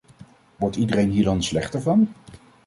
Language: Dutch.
Wordt iedereen hier dan slechter van?